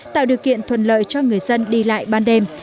tạo điều kiện thuận lợi cho người dân đi lại ban đêm